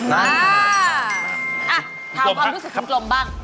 อ่าถามความรู้สึกคุณกลมบ้าง